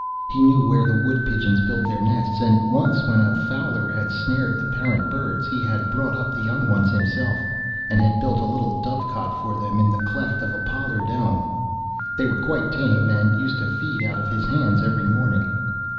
He knew where the wood pigeons built their nests, and once when a fowler had snared the parent birds, he had brought up the young ones himself, and had built a little dovecot for them in the cleft of a pollard elm. They were quite tame, and used to feed out of his hands every morning.